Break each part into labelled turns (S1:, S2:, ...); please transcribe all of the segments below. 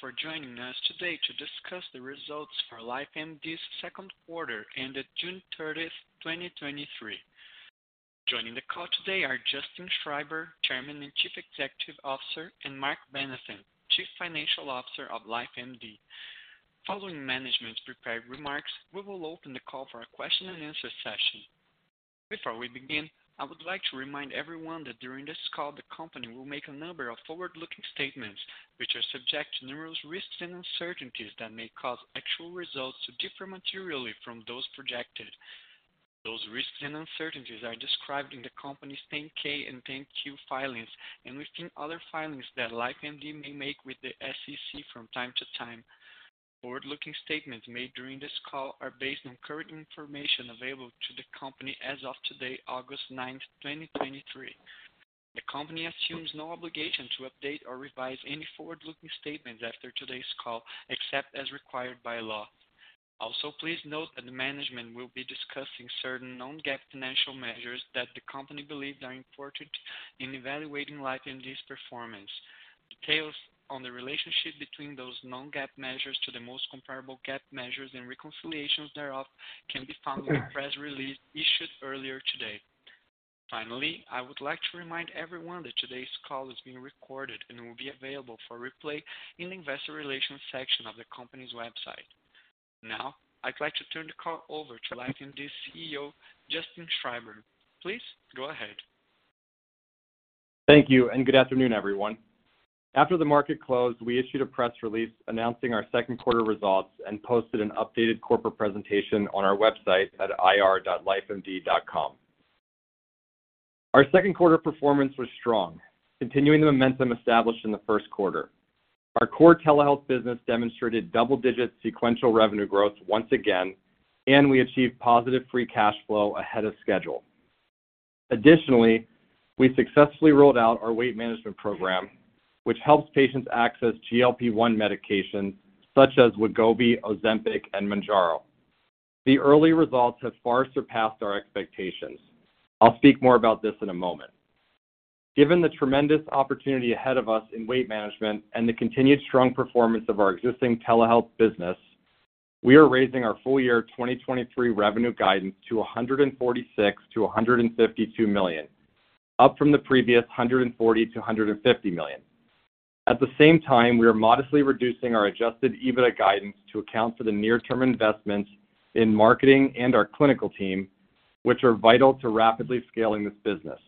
S1: Thank you for joining us today to discuss the results for LifeMD's second quarter ended June 30, 2023. Joining the call today are Justin Schreiber, Chairman and Chief Executive Officer, and Marc Benathen, Chief Financial Officer of LifeMD. Following management's prepared remarks, we will open the call for a question-and-answer session. Before we begin, I would like to remind everyone that during this call, the company will make a number of forward-looking statements, which are subject to numerous risks and uncertainties that may cause actual results to differ materially from those projected. Those risks and uncertainties are described in the company's 10-K and 10-Q filings, and within other filings that LifeMD may make with the SEC from time to time. Forward-looking statements made during this call are based on current information available to the company as of today, August 9, 2023. The company assumes no obligation to update or revise any forward-looking statements after today's call, except as required by law. Please note that the management will be discussing certain non-GAAP financial measures that the company believes are important in evaluating LifeMD's performance. Details on the relationship between those non-GAAP measures to the most comparable GAAP measures and reconciliations thereof can be found in the press release issued earlier today. Finally, I would like to remind everyone that today's call is being recorded and will be available for replay in the investor relations section of the company's website. I'd like to turn the call over to LifeMD's CEO, Justin Schreiber. Please go ahead.
S2: Thank you, and good afternoon, everyone. After the market closed, we issued a press release announcing our second quarter results and posted an updated corporate presentation on our website at ir.lifemd.com. Our second quarter performance was strong, continuing the momentum established in the first quarter. Our core telehealth business demonstrated double-digit sequential revenue growth once again, and we achieved positive free cash flow ahead of schedule. Additionally, we successfully rolled out our weight management program, which helps patients access GLP-1 medications such as Wegovy, Ozempic, and Mounjaro. The early results have far surpassed our expectations. I'll speak more about this in a moment. Given the tremendous opportunity ahead of us in weight management and the continued strong performance of our existing telehealth business, we are raising our full year 2023 revenue guidance to $146 million-$152 million, up from the previous $140 million-$150 million. At the same time, we are modestly reducing our adjusted EBITDA guidance to account for the near-term investments in marketing and our clinical team, which are vital to rapidly scaling this business.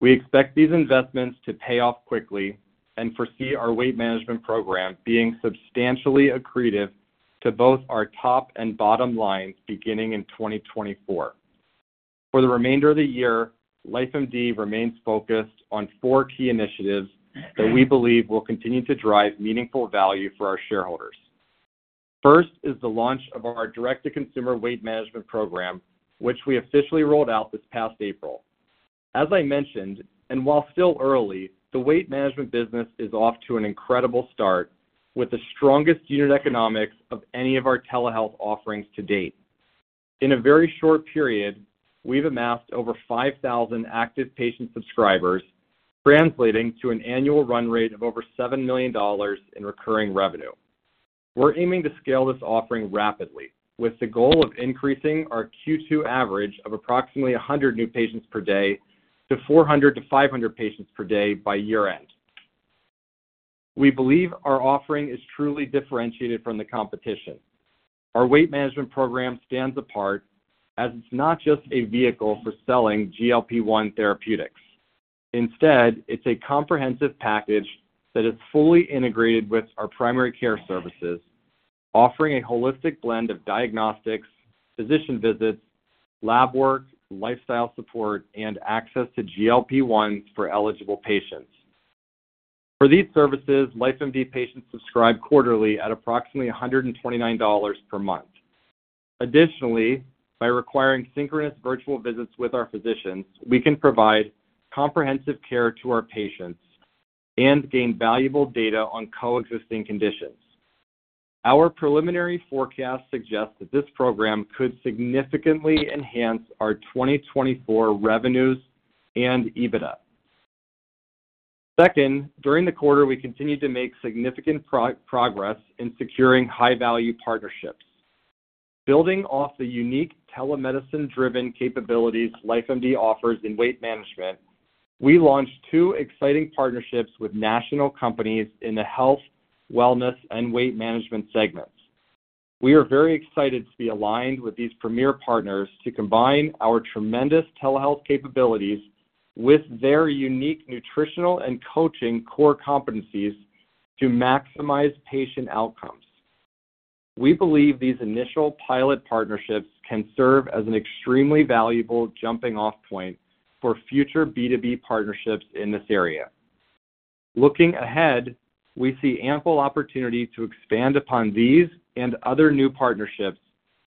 S2: We expect these investments to pay off quickly and foresee our weight management program being substantially accretive to both our top and bottom lines beginning in 2024. For the remainder of the year, LifeMD remains focused on four key initiatives that we believe will continue to drive meaningful value for our shareholders. First is the launch of our direct-to-consumer weight management program, which we officially rolled out this past April. As I mentioned, and while still early, the weight management business is off to an incredible start with the strongest unit economics of any of our telehealth offerings to date. In a very short period, we've amassed over 5,000 active patient subscribers, translating to an annual run rate of over $7 million in recurring revenue. We're aiming to scale this offering rapidly, with the goal of increasing our Q2 average of approximately 100 new patients per day to 400-500 patients per day by year-end. We believe our offering is truly differentiated from the competition. Our weight management program stands apart as it's not just a vehicle for selling GLP-1 therapeutics. Instead, it's a comprehensive package that is fully integrated with our primary care services, offering a holistic blend of diagnostics, physician visits, lab work, lifestyle support, and access to GLP-1 for eligible patients. For these services, LifeMD patients subscribe quarterly at approximately $129 per month. Additionally, by requiring synchronous virtual visits with our physicians, we can provide comprehensive care to our patients and gain valuable data on coexisting conditions. Our preliminary forecast suggests that this program could significantly enhance our 2024 revenues and EBITDA. Second, during the quarter, we continued to make significant progress in securing high-value partnerships. Building off the unique telemedicine-driven capabilities LifeMD offers in weight management, we launched two exciting partnerships with national companies in the health, wellness, and weight management segments. We are very excited to be aligned with these premier partners to combine our tremendous telehealth capabilities with their unique nutritional and coaching core competencies to maximize patient outcomes. We believe these initial pilot partnerships can serve as an extremely valuable jumping-off point for future B2B partnerships in this area. Looking ahead, we see ample opportunity to expand upon these and other new partnerships,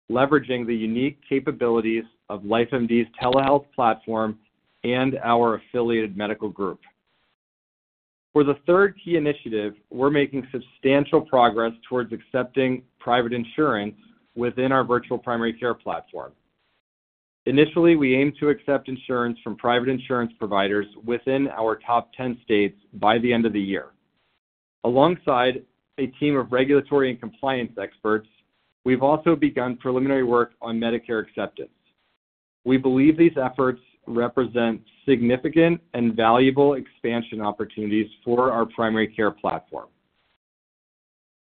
S2: leveraging the unique capabilities of LifeMD's telehealth platform and our affiliated medical group. For the third key initiative, we're making substantial progress towards accepting private insurance within our virtual primary care platform. Initially, we aim to accept insurance from private insurance providers within our top 10 states by the end of the year. Alongside a team of regulatory and compliance experts, we've also begun preliminary work on Medicare acceptance. We believe these efforts represent significant and valuable expansion opportunities for our primary care platform.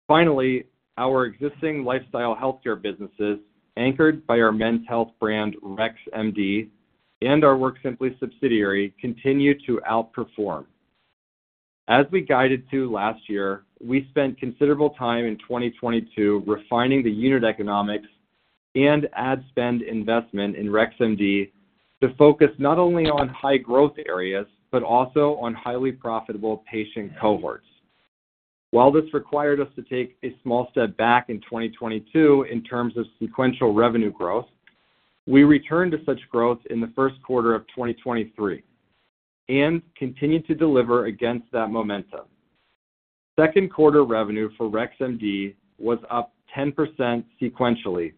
S2: Finally, our existing lifestyle healthcare businesses, anchored by our men's health brand, Rex MD, and our WorkSimpli subsidiary, continue to outperform. As we guided to last year, we spent considerable time in 2022 refining the unit economics and ad spend investment in Rex MD to focus not only on high growth areas, but also on highly profitable patient cohorts. While this required us to take a small step back in 2022 in terms of sequential revenue growth, we returned to such growth in the first quarter of 2023 and continued to deliver against that momentum. Second quarter revenue for Rex MD was up 10% sequentially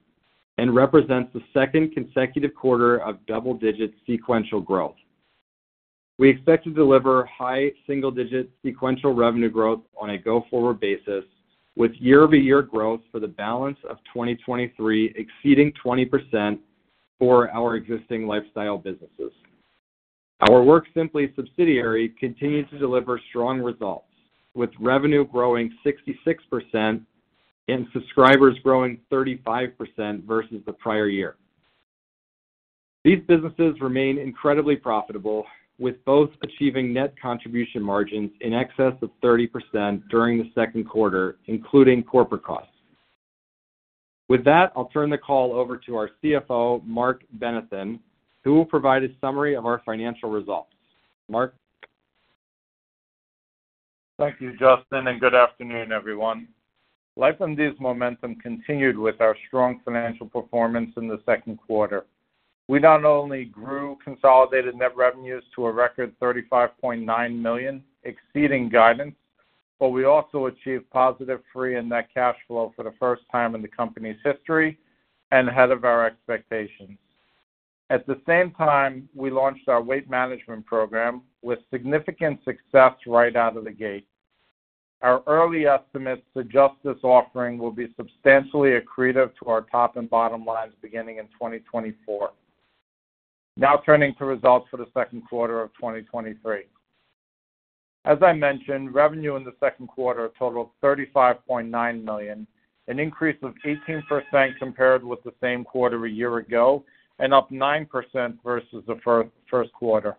S2: and represents the second consecutive quarter of double-digit sequential growth. We expect to deliver high single-digit sequential revenue growth on a go-forward basis, with year-over-year growth for the balance of 2023 exceeding 20% for our existing lifestyle businesses. Our WorkSimpli subsidiary continues to deliver strong results, with revenue growing 66% and subscribers growing 35% versus the prior year. These businesses remain incredibly profitable, with both achieving net contribution margins in excess of 30% during the second quarter, including corporate costs. With that, I'll turn the call over to our CFO, Marc Benathen, who will provide a summary of our financial results. Marc?
S3: Thank you, Justin. Good afternoon, everyone. LifeMD's momentum continued with our strong financial performance in the second quarter. We not only grew consolidated net revenues to a record $35.9 million, exceeding guidance, we also achieved positive free and net cash flow for the first time in the company's history and ahead of our expectations. At the same time, we launched our weight management program with significant success right out of the gate. Our early estimates suggest this offering will be substantially accretive to our top and bottom lines beginning in 2024. Turning to results for the second quarter of 2023. As I mentioned, revenue in the second quarter totaled $35.9 million, an increase of 18% compared with the same quarter a year ago, up 9% versus the first quarter.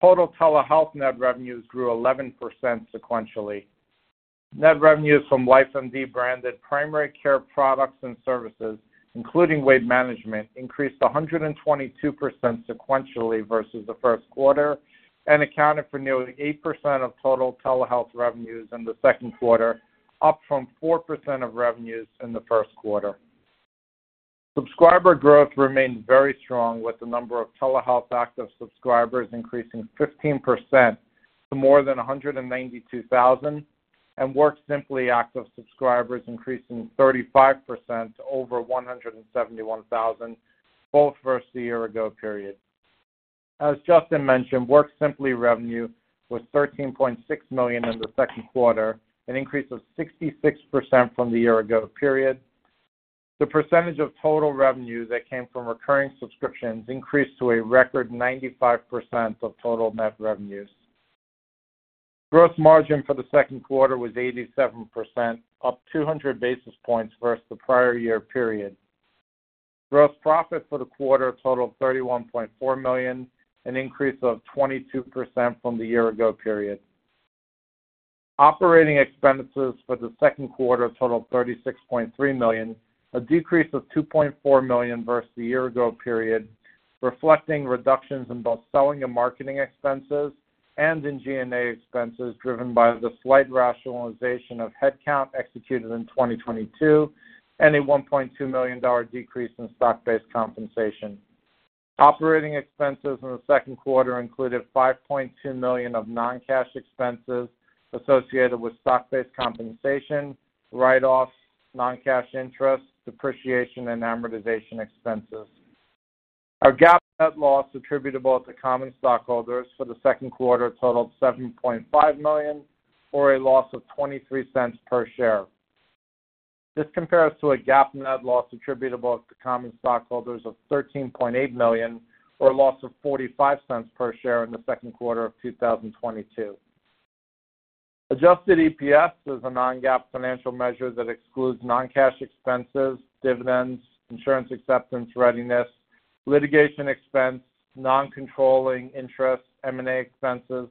S3: Total telehealth net revenues grew 11% sequentially. Net revenues from LifeMD-branded primary care products and services, including weight management, increased 122% sequentially versus the first quarter and accounted for nearly 8% of total telehealth revenues in the second quarter, up from 4% of revenues in the first quarter. Subscriber growth remained very strong, with the number of telehealth active subscribers increasing 15% to more than 192,000, and WorkSimpli active subscribers increasing 35% to over 171,000, both versus the year ago period. As Justin mentioned, WorkSimpli revenue was $13.6 million in the second quarter, an increase of 66% from the year ago period. The percentage of total revenue that came from recurring subscriptions increased to a record 95% of total net revenues. Gross margin for the second quarter was 87%, up 200 basis points versus the prior year period. Gross profit for the quarter totaled $31.4 million, an increase of 22% from the year ago period. Operating expenses for the second quarter totaled $36.3 million, a decrease of $2.4 million versus the year ago period, reflecting reductions in both selling and marketing expenses and in G&A expenses, driven by the slight rationalization of headcount executed in 2022 and a $1.2 million decrease in stock-based compensation. Operating expenses in the second quarter included $5.2 million of non-cash expenses associated with stock-based compensation, write-offs, non-cash interest, depreciation, and amortization expenses. Our GAAP net loss attributable to common stockholders for the second quarter totaled $7.5 million, or a loss of $0.23 per share. This compares to a GAAP net loss attributable to common stockholders of $13.8 million, or a loss of $0.45 per share in the second quarter of 2022. Adjusted EPS is a non-GAAP financial measure that excludes non-cash expenses, dividends, insurance acceptance, readiness, litigation expense, non-controlling interest, M&A expenses,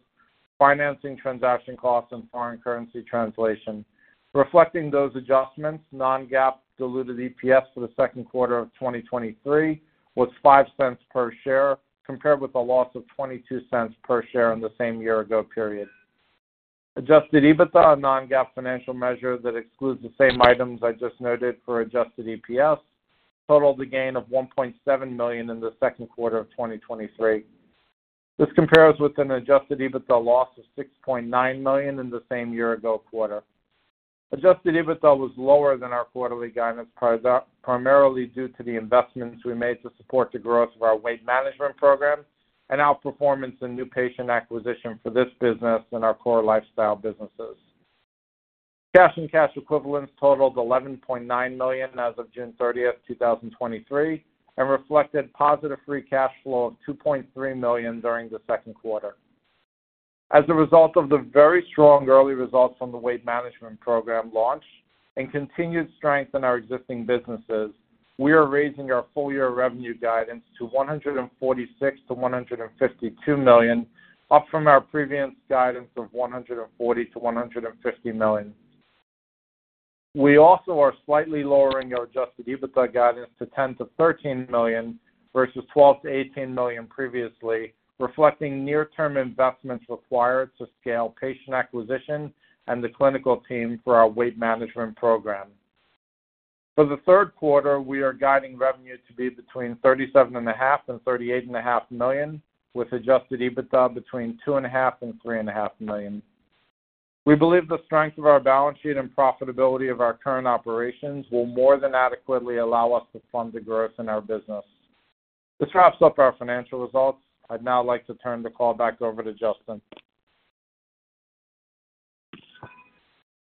S3: financing, transaction costs, and foreign currency translation. Reflecting those adjustments, non-GAAP diluted EPS for the second quarter of 2023 was $0.05 per share, compared with a loss of $0.22 per share in the same year-ago period. Adjusted EBITDA, a non-GAAP financial measure that excludes the same items I just noted for adjusted EPS, totaled a gain of $1.7 million in the second quarter of 2023. This compares with an adjusted EBITDA loss of $6.9 million in the same year-ago quarter. Adjusted EBITDA was lower than our quarterly guidance, primarily due to the investments we made to support the growth of our weight management program and outperformance in new patient acquisition for this business and our core lifestyle businesses. Cash and cash equivalents totaled $11.9 million as of June 30, 2023, and reflected positive free cash flow of $2.3 million during the second quarter. As a result of the very strong early results from the weight management program launch and continued strength in our existing businesses, we are raising our full year revenue guidance to $146 million-$152 million, up from our previous guidance of $140 million-$150 million. We also are slightly lowering our adjusted EBITDA guidance to $10 million-$13 million, versus $12 million-$18 million previously, reflecting near-term investments required to scale patient acquisition and the clinical team for our weight management program. For the third quarter, we are guiding revenue to be between $37.5 million and $38.5 million, with adjusted EBITDA between $2.5 million and $3.5 million. We believe the strength of our balance sheet and profitability of our current operations will more than adequately allow us to fund the growth in our business. This wraps up our financial results. I'd now like to turn the call back over to Justin.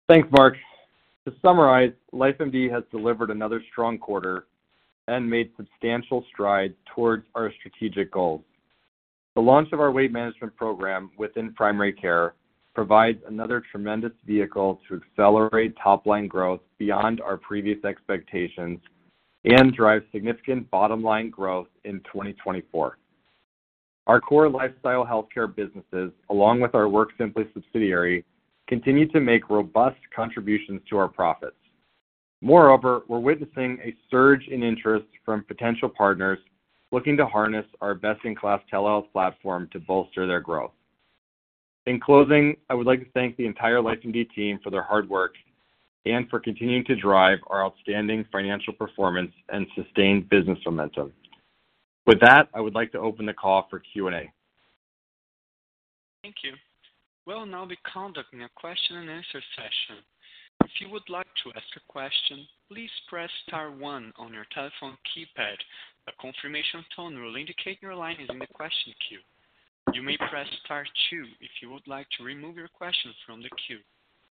S2: Thanks, Marc. To summarize, LifeMD has delivered another strong quarter and made substantial strides towards our strategic goals. The launch of our weight management program within primary care provides another tremendous vehicle to accelerate top-line growth beyond our previous expectations and drive significant bottom line growth in 2024. Our core lifestyle healthcare businesses, along with our WorkSimpli subsidiary, continue to make robust contributions to our profits. Moreover, we're witnessing a surge in interest from potential partners looking to harness our best-in-class telehealth platform to bolster their growth. In closing, I would like to thank the entire LifeMD team for their hard work and for continuing to drive our outstanding financial performance and sustained business momentum. With that, I would like to open the call for Q&A.
S1: Thank you. We'll now be conducting a question-and-answer session. If you would like to ask a question, please press star one on your telephone keypad. A confirmation tone will indicate your line is in the question queue. You may press star two if you would like to remove your question from the queue.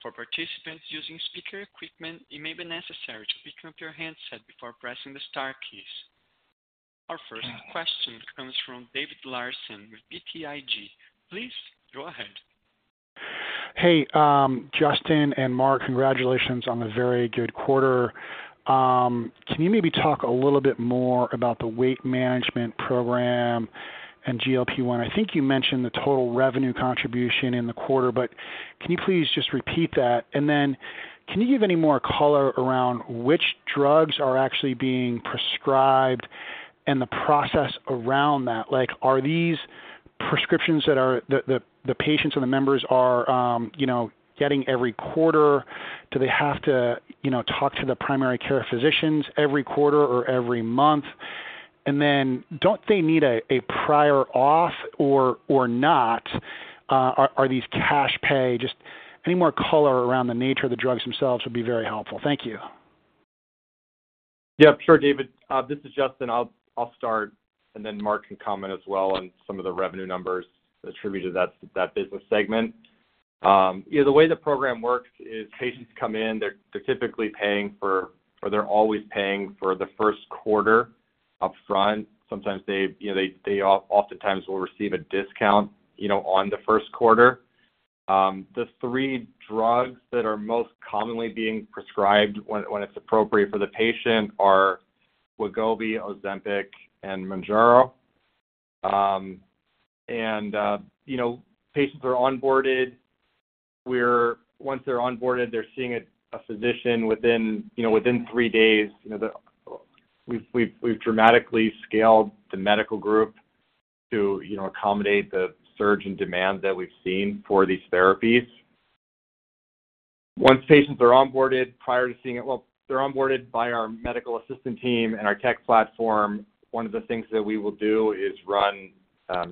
S1: For participants using speaker equipment, it may be necessary to pick up your handset before pressing the star keys. Our first question comes from David Larsen with BTIG. Please go ahead.
S4: Hey, Justin and Marc, congratulations on a very good quarter. Can you maybe talk a little bit more about the weight management program and GLP-1? I think you mentioned the total revenue contribution in the quarter, but can you please just repeat that? Can you give any more color around which drugs are actually being prescribed and the process around that? Like, are these prescriptions that are, the patients or the members are, you know, getting every quarter? Do they have to, you know, talk to the primary care physicians every quarter or every month? Don't they need a prior auth or not? Are these cash pay? Just any more color around the nature of the drugs themselves would be very helpful. Thank you.
S2: Yeah, sure, David. This is Justin. I'll, I'll start, and then Marc can comment as well on some of the revenue numbers attributed to that, that business segment. You know, the way the program works is patients come in, they're, they're typically paying for, or they're always paying for the first quarter upfront. Sometimes they, you know, they, they oftentimes will receive a discount, you know, on the first quarter. The three drugs that are most commonly being prescribed when, when it's appropriate for the patient are Wegovy, Ozempic, and Mounjaro. And, you know, patients are onboarded. Once they're onboarded, they're seeing a, a physician within, you know, within three days. You know, we've, we've, we've dramatically scaled the medical group to, you know, accommodate the surge in demand that we've seen for these therapies. Once patients are onboarded prior to seeing it... Well, they're onboarded by our medical assistant team and our tech platform. One of the things that we will do is run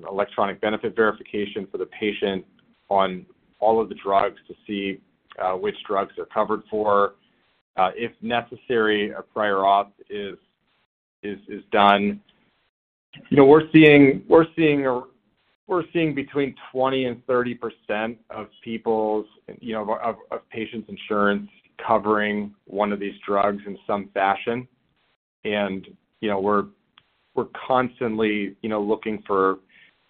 S2: electronic benefit verification for the patient on all of the drugs to see which drugs they're covered for. If necessary, a prior auth is, is, is done. You know, we're seeing, we're seeing we're seeing between 20% and 30% of people's, you know, of, of patients' insurance covering one of these drugs in some fashion. You know, we're, we're constantly, you know, looking for,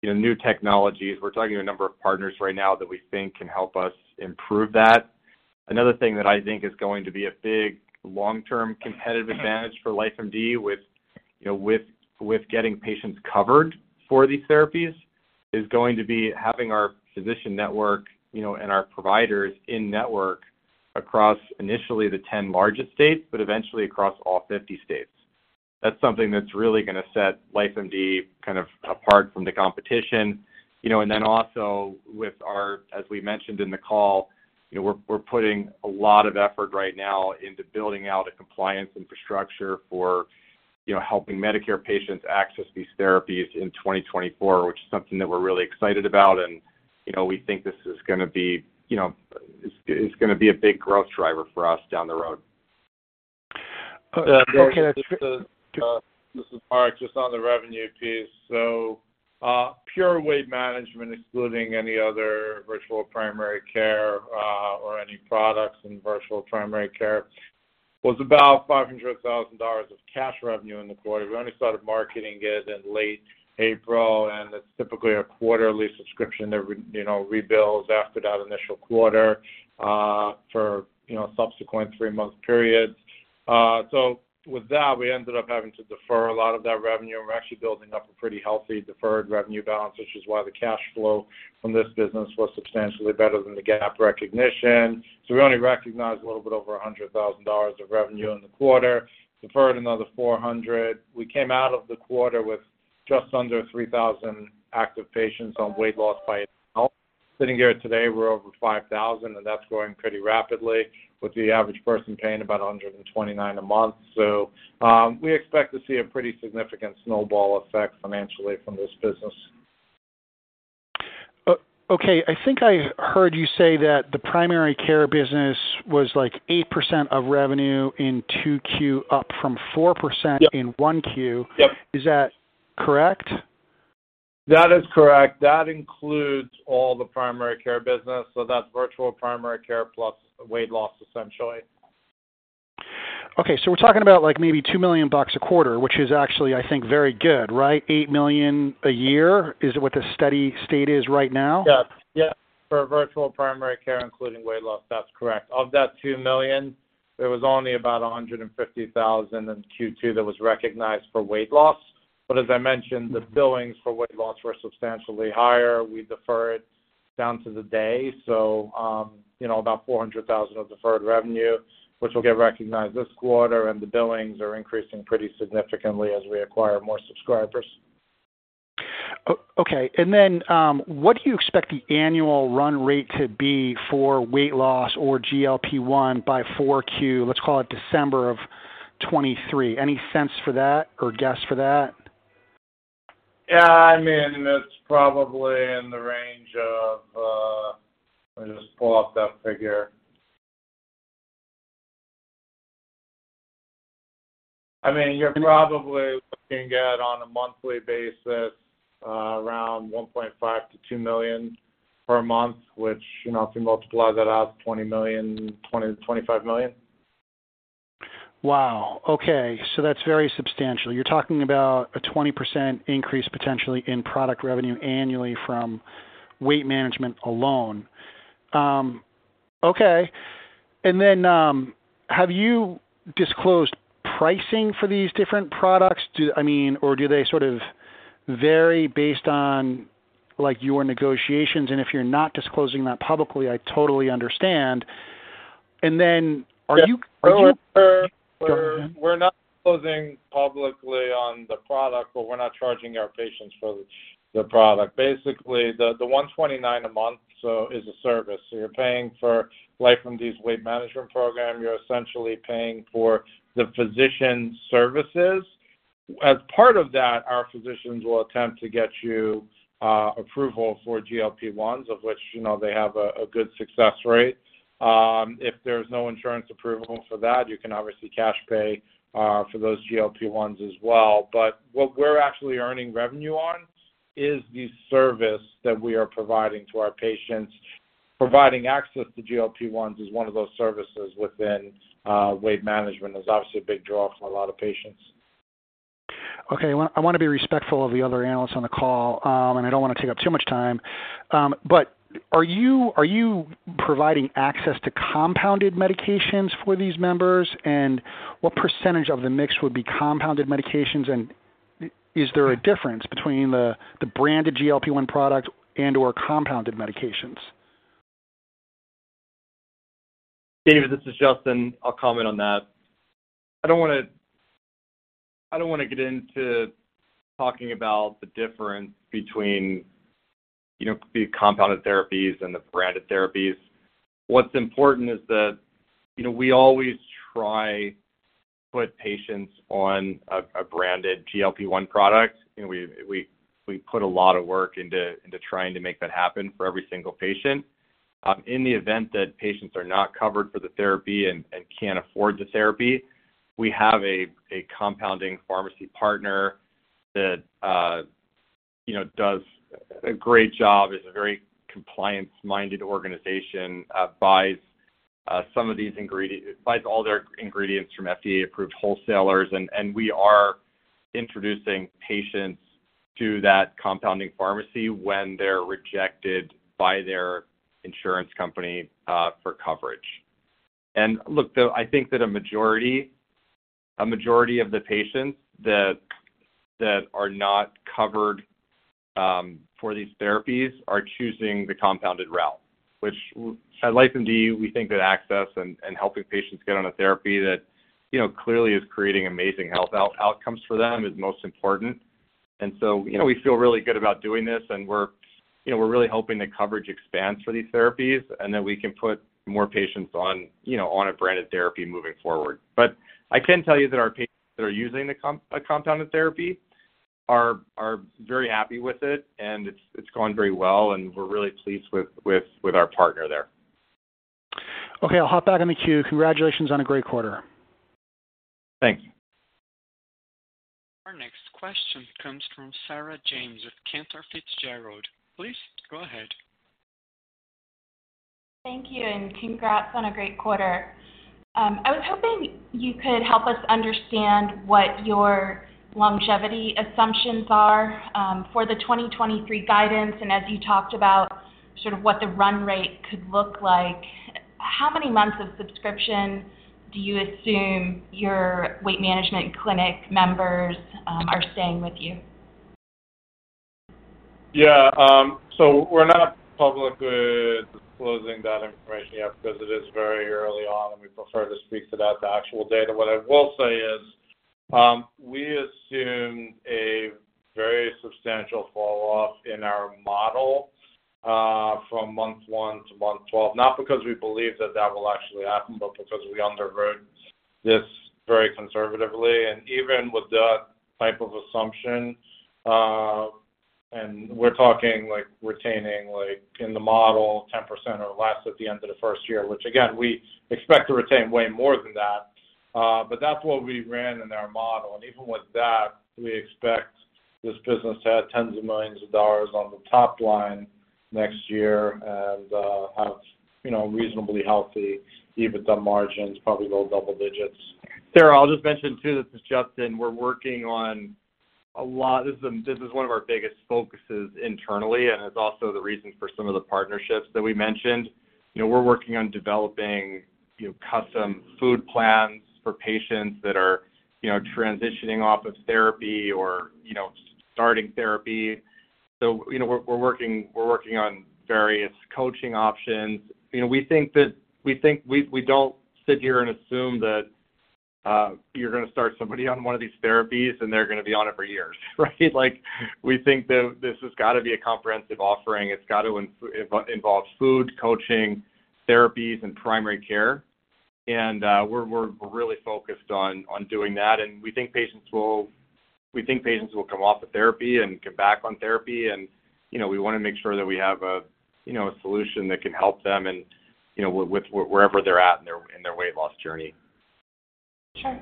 S2: you know, new technologies. We're talking to a number of partners right now that we think can help us improve that. Another thing that I think is going to be a big long-term competitive advantage for LifeMD with, with, with getting patients covered for these therapies, is going to be having our physician network, and our providers in network across initially the 10 largest states, but eventually across all 50 states. That's something that's really going to set LifeMD kind of apart from the competition. Then also with our, as we mentioned in the call, we're, we're putting a lot of effort right now into building out a compliance infrastructure for, helping Medicare patients access these therapies in 2024, which is something that we're really excited about. We think this is gonna be a big growth driver for us down the road.
S3: Okay, this is, this is Marc, just on the revenue piece. Pure weight management, excluding any other virtual primary care, or any products in virtual primary care, was about $500,000 of cash revenue in the quarter. We only started marketing it in late April, and it's typically a quarterly subscription that re, you know, rebills after that initial quarter, for, you know, subsequent three-month periods. With that, we ended up having to defer a lot of that revenue. We're actually building up a pretty healthy deferred revenue balance, which is why the cash flow from this business was substantially better than the GAAP recognition. We only recognized a little bit over $100,000 of revenue in the quarter, deferred another $400,000. We came out of the quarter with just under 3,000 active patients on weight loss by itself. Sitting here today, we're over 5,000, and that's growing pretty rapidly, with the average person paying about $129 a month. We expect to see a pretty significant snowball effect financially from this business.
S4: Okay, I think I heard you say that the primary care business was, like, 8% of revenue in 2Q, up from 4% in Q1.
S3: Yep.
S4: Is that correct?
S3: That is correct. That includes all the primary care business, so that's virtual primary care plus weight loss, essentially.
S4: Okay, we're talking about, like, maybe $2 million a quarter, which is actually, I think, very good, right? $8 million a year, is it what the steady state is right now?
S3: Yes. Yes, for virtual primary care, including weight loss. That's correct. Of that $2 million, there was only about $150,000 in Q2 that was recognized for weight loss. As I mentioned, the billings for weight loss were substantially higher. We defer it down to the day. You know, about $400,000 of deferred revenue, which will get recognized this quarter, and the billings are increasing pretty significantly as we acquire more subscribers.
S4: O-okay. What do you expect the annual run rate to be for weight loss or GLP-1 by Q4, let's call it December of 23? Any sense for that or guess for that?
S3: Yeah, I mean, it's probably in the range of, let me just pull up that figure. I mean, you're probably looking at, on a monthly basis, around $1.5 million-$2 million per month, which, you know, if you multiply that out, $20 million, $20 million-$25 million.
S4: Wow! Okay. That's very substantial. You're talking about a 20% increase potentially in product revenue annually from weight management alone. Okay. Then, have you disclosed pricing for these different products? I mean, or do they sort of vary based on, like, your negotiations? If you're not disclosing that publicly, I totally understand. Then are you-
S3: We're, we're not disclosing publicly on the product, but we're not charging our patients for the, the product. Basically, the, the $129 a month, so is a service. You're paying for LifeMD's weight management program. You're essentially paying for the physician services. As part of that, our physicians will attempt to get you approval for GLP-1s, of which, you know, they have a, a good success rate. If there's no insurance approval for that, you can obviously cash pay for those GLP-1s as well. What we're actually earning revenue on is the service that we are providing to our patients. Providing access to GLP-1s is one of those services within weight management, is obviously a big draw for a lot of patients.
S4: Okay, I, I wanna be respectful of the other analysts on the call, and I don't wanna take up too much time. Are you, are you providing access to compounded medications for these members? What percentage of the mix would be compounded medications, and is there a difference between the, the branded GLP-1 product and/or compounded medications?
S2: David, this is Justin. I'll comment on that. I don't wanna get into talking about the difference between, you know, the compounded therapies and the branded therapies. What's important is that, you know, we always try to put patients on a branded GLP-1 product, and we put a lot of work into trying to make that happen for every single patient. In the event that patients are not covered for the therapy and can't afford the therapy, we have a compounding pharmacy partner that, you know, does a great job, is a very compliance-minded organization, buys some of these ingredients, buys all their ingredients from FDA-approved wholesalers. We are introducing patients to that compounding pharmacy when they're rejected by their insurance company, for coverage. Look, though, I think that a majority, a majority of the patients that, that are not covered for these therapies are choosing the compounded route, which at LifeMD, we think that access and, and helping patients get on a therapy that, you know, clearly is creating amazing health outcomes for them is most important. So, you know, we feel really good about doing this, and we're, you know, we're really hoping that coverage expands for these therapies and that we can put more patients on, you know, on a branded therapy moving forward. I can tell you that our patients that are using a compounded therapy are, are very happy with it, and it's, it's going very well, and we're really pleased with our partner there. Okay, I'll hop back in the queue. Congratulations on a great quarter.
S3: Thank you.
S1: Our next question comes from Sarah James of Cantor Fitzgerald. Please go ahead.
S5: Thank you, and congrats on a great quarter. I was hoping you could help us understand what your longevity assumptions are for the 2023 guidance, and as you talked about, sort of what the run rate could look like. How many months of subscription do you assume your weight management clinic members are staying with you?
S3: Yeah, we're not publicly disclosing that information yet because it is very early on, and we prefer to speak to that to actual data. What I will say is, we assume a very substantial fall-off in our model from month one to month 12. Not because we believe that that will actually happen, but because we underwrote this very conservatively. Even with that type of assumption, and we're talking, like, retaining, like, in the model, 10% or less at the end of the first year, which, again, we expect to retain way more than that. That's what we ran in our model. Even with that, we expect this business to have tens of millions of dollars on the top line next year and, you know, reasonably healthy EBITDA margins, probably low double digits.
S2: Sarah, I'll just mention too, this is Justin. We're working on a lot, this is, this is one of our biggest focuses internally, and it's also the reason for some of the partnerships that we mentioned. You know, we're working on developing, you know, custom food plans for patients that are, you know, transitioning off of therapy or, you know, starting therapy. You know, we're, we're working, we're working on various coaching options. You know, we think that We think we, we don't sit here and assume that, you're going to start somebody on one of these therapies, and they're going to be on it for years, right? Like, we think that this has got to be a comprehensive offering. It's got to involve food, coaching, therapies, and primary care. We're, we're really focused on, on doing that, and we think patients will, we think patients will come off of therapy and get back on therapy. You know, we want to make sure that we have a, you know, a solution that can help them and, you know, with wherever they're at in their, in their weight loss journey.
S5: Sure.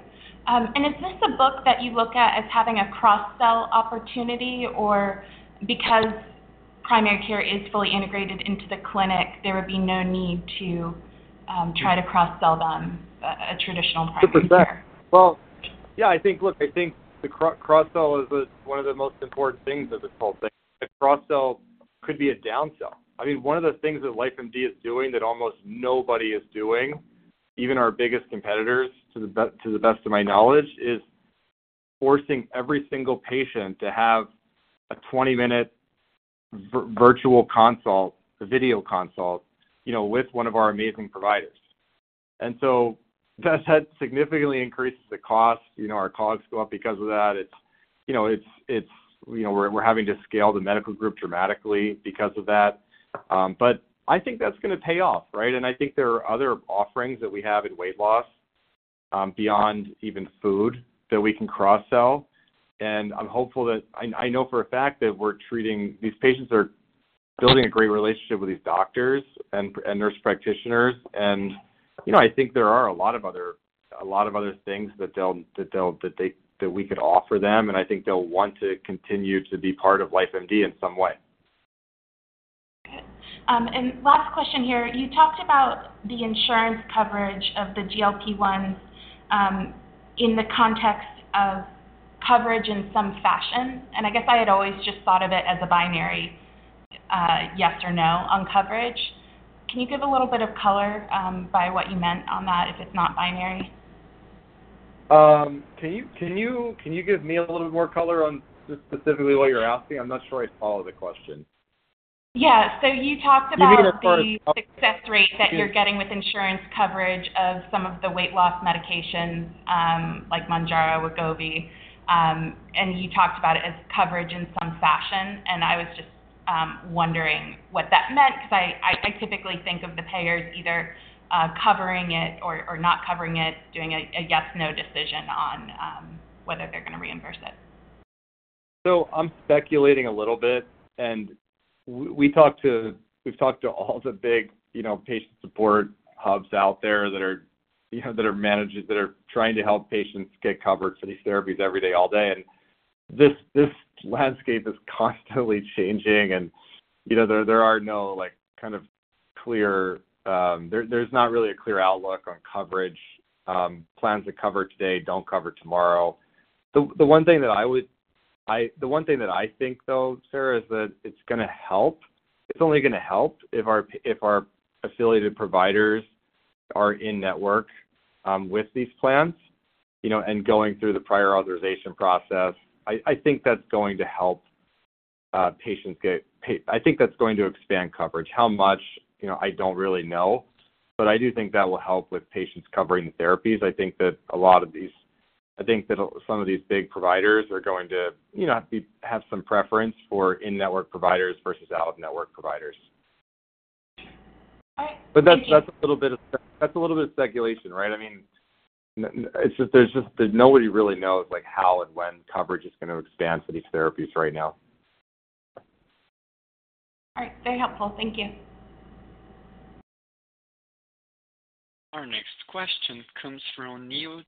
S5: Is this a book that you look at as having a cross-sell opportunity, or because primary care is fully integrated into the clinic, there would be no need to try to cross-sell them a traditional primary care?
S2: Well, yeah, I think. Look, I think the cross-sell is one of the most important things of this whole thing. The cross-sell could be a downsell. I mean, one of the things that LifeMD is doing that almost nobody is doing, even our biggest competitors, to the best of my knowledge, is forcing every single patient to have a 20-minute virtual consult, a video consult, you know, with one of our amazing providers. That significantly increases the cost. You know, our costs go up because of that. It's, you know, we're having to scale the medical group dramatically because of that. I think that's going to pay off, right? I think there are other offerings that we have in weight loss, beyond even food, that we can cross-sell. I'm hopeful that-- I know for a fact that we're treating these patients are building a great relationship with these doctors and, and nurse practitioners, and, you know, I think there are a lot of other, a lot of other things that they'll, that they'll, that they, that we could offer them, and I think they'll want to continue to be part of LifeMD in some way.
S5: Good. Last question here. You talked about the insurance coverage of the GLP-1, in the context of coverage in some fashion, and I guess I had always just thought of it as a binary, yes or no on coverage. Can you give a little bit of color, by what you meant on that, if it's not binary?
S2: Can you, can you, can you give me a little bit more color on specifically what you're asking? I'm not sure I follow the question.
S5: Yeah. you talked about.
S2: You mean the first-
S5: The success rate that you're getting with insurance coverage of some of the weight loss medications, like Mounjaro, Wegovy. You talked about it as coverage in some fashion, and I was just wondering what that meant because I, I typically think of the payers either, covering it or, or not covering it, doing a, a yes, no decision on, whether they're going to reimburse it.
S2: I'm speculating a little bit, and we talked to we've talked to all the big, you know, patient support hubs out there that are, you know, that are managing that are trying to help patients get covered for these therapies every day, all day. This, this landscape is constantly changing, and, you know, there, there are no, like, kind of clear. There, there's not really a clear outlook on coverage. Plans that cover today, don't cover tomorrow. The, the one thing that I would The one thing that I think, though, Sarah, is that it's going to help. It's only going to help if our if our affiliated providers are in network with these plans, you know, and going through the prior authorization process. I, I think that's going to help patients get I think that's going to expand coverage. How much? You know, I don't really know, but I do think that will help with patients covering the therapies. I think that some of these big providers are going to, you know, be, have some preference for in-network providers versus out-of-network providers. That's, that's a little bit of, that's a little bit of speculation, right? I mean, it's just, there's just, nobody really knows, like, how and when coverage is going to expand for these therapies right now.
S6: All right, very helpful. Thank you.
S1: Our next question comes from Neil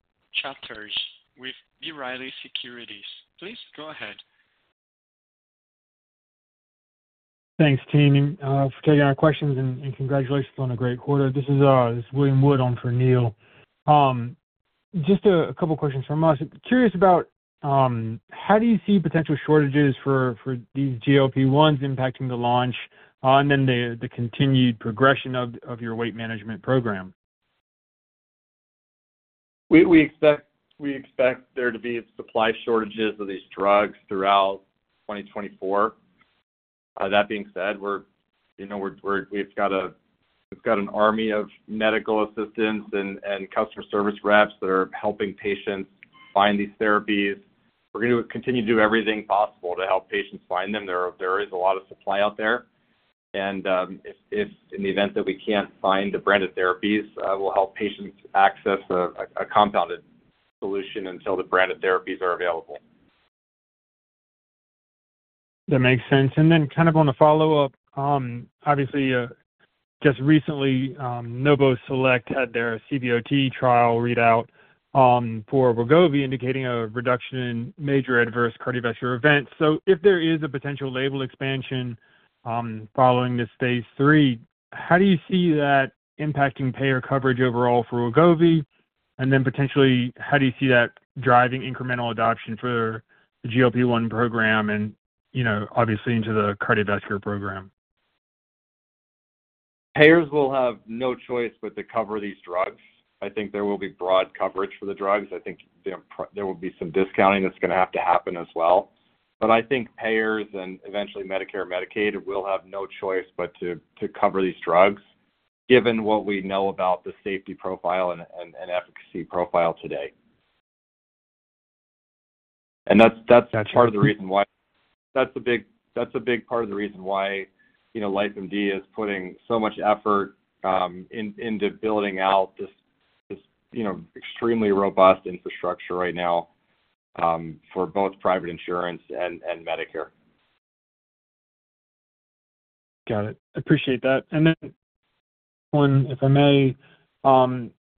S1: Chatterji with B. Riley Securities. Please go ahead.
S7: Thanks, team, for taking our questions and, and congratulations on a great quarter. This is, this is William Wood on for Neil. Just a, a couple questions from us. Curious about, how do you see potential shortages for, for these GLP-1s impacting the launch, and then the, the continued progression of, of your weight management program?
S2: We, we expect, we expect there to be supply shortages of these drugs throughout 2024. That being said, we're, you know, we're we've got an army of medical assistants and, and customer service reps that are helping patients find these therapies. We're gonna continue to do everything possible to help patients find them. There is a lot of supply out there, and if, if in the event that we can't find the branded therapies, we'll help patients access a, a compounded solution until the branded therapies are available.
S7: That makes sense. Then kind of on a follow-up, obviously, just recently, Novo Nordisk had their CVOT trial readout, for Wegovy, indicating a reduction in major adverse cardiovascular events. If there is a potential label expansion, following this phase III, how do you see that impacting payer coverage overall for Wegovy? Then potentially, how do you see that driving incremental adoption for the GLP-1 program and, you know, obviously into the cardiovascular program?
S2: Payers will have no choice but to cover these drugs. I think there will be broad coverage for the drugs. I think there will be some discounting that's gonna have to happen as well. I think payers and eventually Medicare, Medicaid will have no choice but to cover these drugs, given what we know about the safety profile and efficacy profile today. That's, that's part of the reason why. That's a big, that's a big part of the reason why, you know, LifeMD is putting so much effort into building out this, you know, extremely robust infrastructure right now, for both private insurance and Medicare.
S7: Got it. Appreciate that. One, if I may,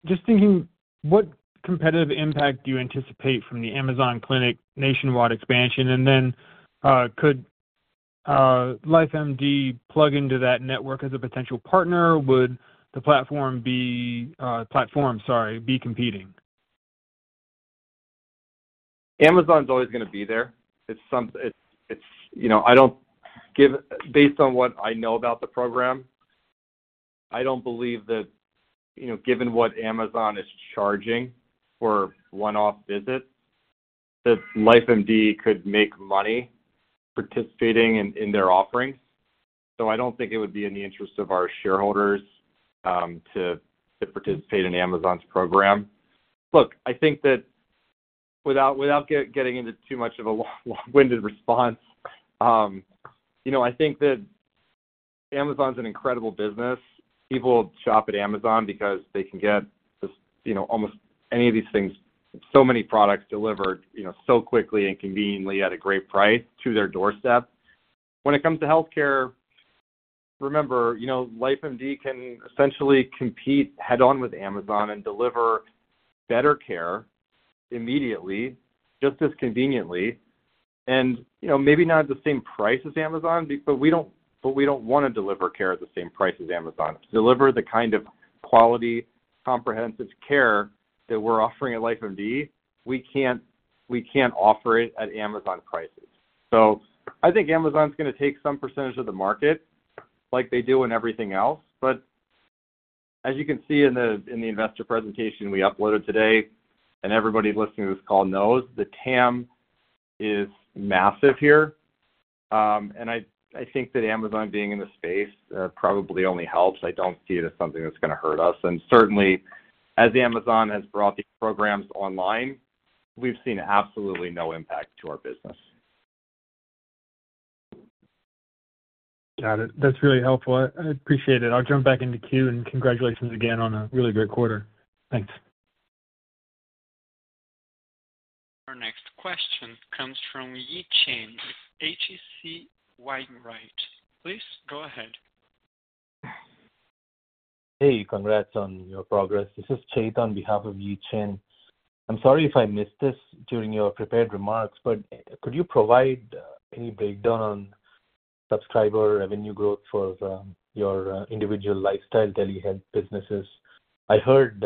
S7: just thinking, what competitive impact do you anticipate from the Amazon Clinic nationwide expansion? Could LifeMD plug into that network as a potential partner? Would the platform be, platform, sorry, be competing?
S2: Amazon's always gonna be there. You know, based on what I know about the program, I don't believe that, you know, given what Amazon is charging for one-off visits, that LifeMD could make money participating in their offerings. I don't think it would be in the interest of our shareholders to participate in Amazon's program. Look, I think that without getting into too much of a long, long-winded response, you know, I think that Amazon's an incredible business. People shop at Amazon because they can get just, you know, almost any of these things, so many products delivered, you know, so quickly and conveniently at a great price to their doorstep. When it comes to healthcare, remember, you know, LifeMD can essentially compete head-on with Amazon and deliver better care immediately, just as conveniently, and, you know, maybe not at the same price as Amazon, but we don't, but we don't wanna deliver care at the same price as Amazon. To deliver the kind of quality, comprehensive care that we're offering at LifeMD, we can't, we can't offer it at Amazon prices. I think Amazon's gonna take some % of the market, like they do in everything else. As you can see in the, in the investor presentation we uploaded today, and everybody listening to this call knows, the TAM is massive here. I, I think that Amazon being in the space, probably only helps. I don't see it as something that's gonna hurt us. Certainly, as Amazon has brought these programs online, we've seen absolutely no impact to our business.
S7: Got it. That's really helpful. I, I appreciate it. I'll jump back into queue, congratulations again on a really great quarter. Thanks.
S1: Our next question comes from Yi Chen with H.C. Wainwright. Please go ahead.
S6: Hey, congrats on your progress. This is Chet on behalf of Yi Chen. I'm sorry if I missed this during your prepared remarks. Could you provide any breakdown on subscriber revenue growth for your individual lifestyle telehealth businesses? I heard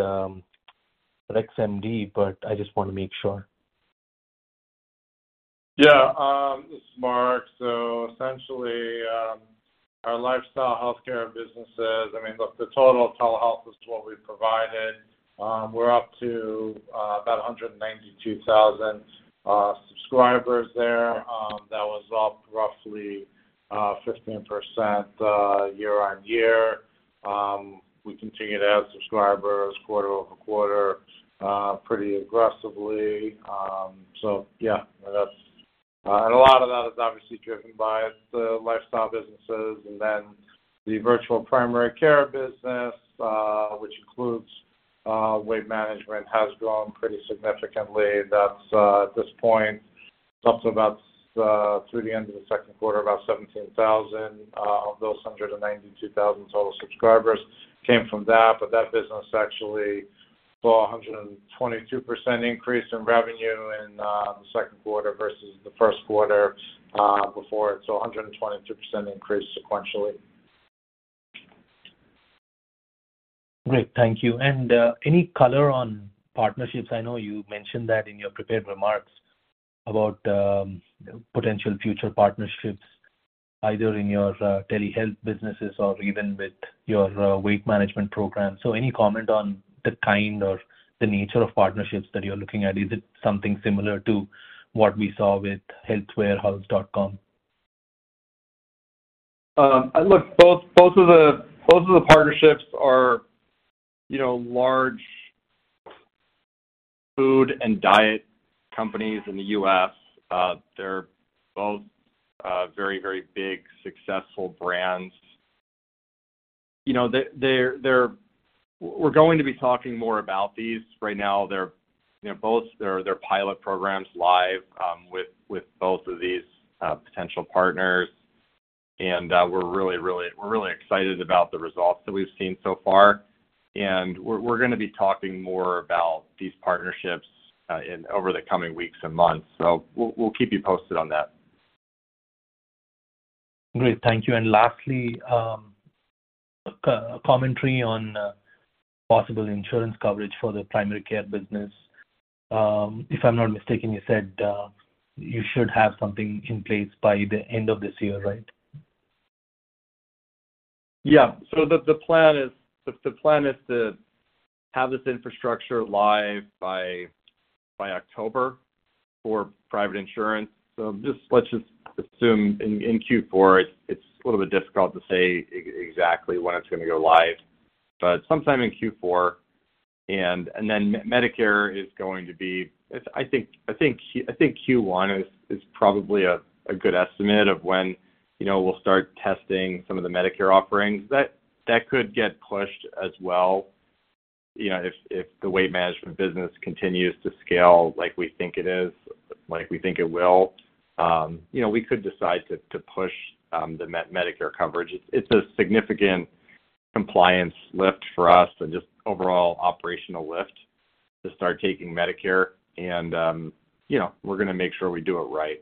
S6: Rex MD. I just want to make sure.
S2: Yeah, this is Marc. Essentially, our lifestyle healthcare businesses, I mean, look, the total telehealth is what we provided. We're up to about 192,000 subscribers there. That was up roughly 15% year-on-year. We continue to add subscribers quarter-over-quarter pretty aggressively. Yeah, that's. A lot of that is obviously driven by the lifestyle businesses and then the virtual primary care business, which includes weight management has grown pretty significantly. That's at this point, up to about, through the end of the second quarter, about 17,000. Of those, 192,000 total subscribers came from that, that business actually saw a 122% increase in revenue in the second quarter versus the first quarter before. 122% increase sequentially.
S6: Great. Thank you. Any color on partnerships? I know you mentioned that in your prepared remarks about potential future partnerships, either in your telehealth businesses or even with your weight management program. Any comment on the kind or the nature of partnerships that you're looking at? Is it something similar to what we saw with HealthWarehouse.com?
S2: Look, both, both of the, both of the partnerships are, you know, large food and diet companies in the US. They're both very, very big, successful brands. You know, we're going to be talking more about these. Right now, you know, both their pilot programs live, with both of these potential partners, and we're really, really excited about the results that we've seen so far. We're gonna be talking more about these partnerships, in over the coming weeks and months. We'll keep you posted on that.
S6: Great. Thank you. Lastly, a commentary on possible insurance coverage for the primary care business. If I'm not mistaken, you said, you should have something in place by the end of this year, right?
S2: Yeah. The, the plan is, the, the plan is to have this infrastructure live by, by October for private insurance. Let's just assume in Q4, it's a little bit difficult to say exactly when it's going to go live, but sometime in Q4. Then Medicare is going to be, it's I think, I think, I think Q1 is, is probably a, a good estimate of when, you know, we'll start testing some of the Medicare offerings. That, that could get pushed as well. You know, if, if the weight management business continues to scale like we think it is, like we think it will, you know, we could decide to, to push the Medicare coverage. It's a significant compliance lift for us and just overall operational lift to start taking Medicare, and, you know, we're gonna make sure we do it right.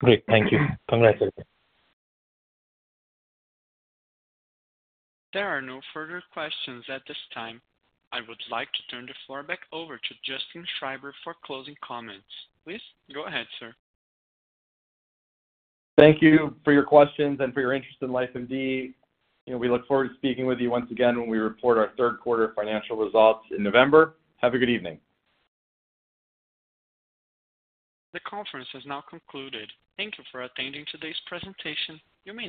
S6: Great. Thank you. Congratulations.
S1: There are no further questions at this time. I would like to turn the floor back over to Justin Schreiber for closing comments. Please, go ahead, sir.
S2: Thank you for your questions and for your interest in LifeMD. You know, we look forward to speaking with you once again when we report our third quarter financial results in November. Have a good evening.
S1: The conference has now concluded. Thank you for attending today's presentation. You may disconnect.